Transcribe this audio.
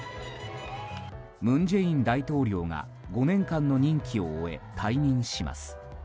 文在寅大統領が５年間の任期を終え退任します。